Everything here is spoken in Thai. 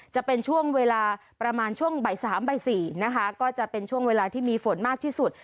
จะเป็นช่วงเวลาประมาณช่วงบ่ายสามบ่ายสี่นะคะก็จะเป็นช่วงเวลาที่มีฝนมากที่สุด